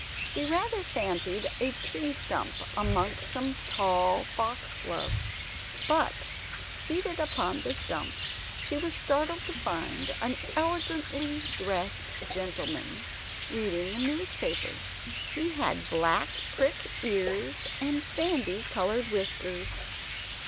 She rather fancied a tree stump amongst some tall foxgloves. But seated upon the stump, she was startled to find an elegantly dressed gentleman reading a newspaper. He had black prick ears and sandy colored whiskers.